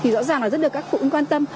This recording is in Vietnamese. rõ ràng rất được các phụ huynh quan tâm